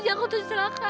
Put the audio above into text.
dia kutus celaka